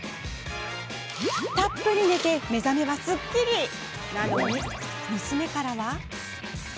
たっぷり寝て目覚めすっきりなのに娘からは。